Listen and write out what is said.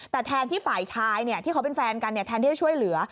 แต่แทนที่ฝ่ายชายที่เขาเป็นแฟนกันแทนที่จะช่วยเหลือ